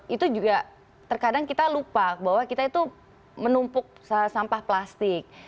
itu juga terkadang kita lupa bahwa kita itu menumpuk sampah plastik